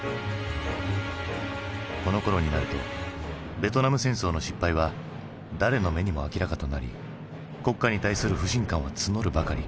このころになるとベトナム戦争の失敗は誰の目にも明らかとなり国家に対する不信感は募るばかり。